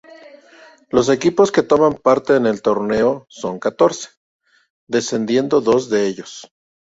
Los equipos que toman parte en el torneo son catorce, descendiendo dos de ellos.